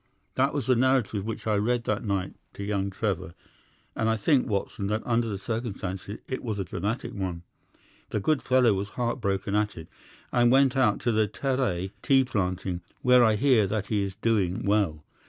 "That was the narrative which I read that night to young Trevor, and I think, Watson, that under the circumstances it was a dramatic one. The good fellow was heartbroken at it, and went out to the Terai tea planting, where I hear that he is doing well.